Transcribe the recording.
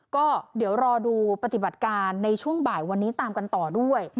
ก็เดี๋ยวรอดูปฏิบัติการในช่วงบ่ายวันนี้ตามกันต่อด้วย